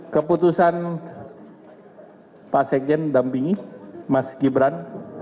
keputusan pak sekjen dampingi mas gibran